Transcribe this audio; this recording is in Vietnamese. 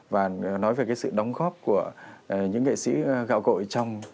và nói về cái sự đóng góp của những nghệ sĩ gạo cội trong